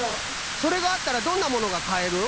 それがあったらどんなものがかえる？